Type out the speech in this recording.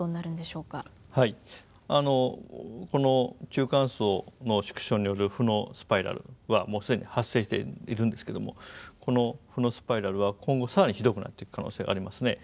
はいあのこの中間層の縮小による負のスパイラルはもう既に発生しているんですけどもこの負のスパイラルは今後更にひどくなっていく可能性ありますね。